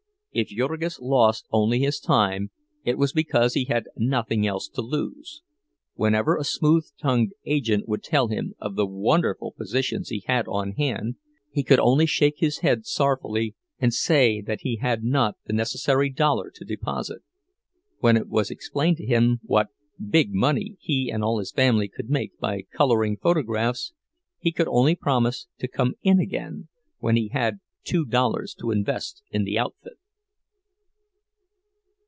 If Jurgis lost only his time, it was because he had nothing else to lose; whenever a smooth tongued agent would tell him of the wonderful positions he had on hand, he could only shake his head sorrowfully and say that he had not the necessary dollar to deposit; when it was explained to him what "big money" he and all his family could make by coloring photographs, he could only promise to come in again when he had two dollars to invest in the outfit.